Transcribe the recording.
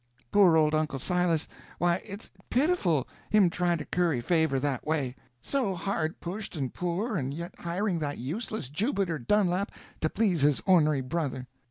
Poor old Uncle Silas—why, it's pitiful, him trying to curry favor that way—so hard pushed and poor, and yet hiring that useless Jubiter Dunlap to please his ornery brother."